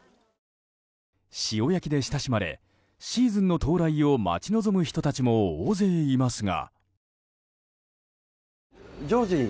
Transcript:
塩焼きで親しまれシーズンの到来を待ち望む人たちも大勢いますが。